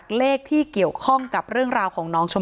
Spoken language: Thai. ประสงสามรูปนะคะนำสายสินสีขาวผูกข้อมือให้กับพ่อแม่ของน้องชมพู่